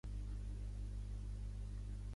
L'àlbum va ser certificat or en el Regne Unit.